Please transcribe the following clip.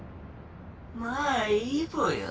まあいいぽよ。